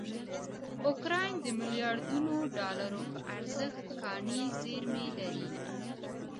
اوکراین دمیلیاردونوډالروپه ارزښت کاني زېرمې لري.